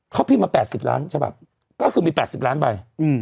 เข้าที่มา๘๐ล้านใช่ป่ะก็คือมี๘๐ล้านใบ